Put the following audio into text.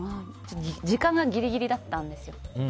時間がギリギリだったんですよ。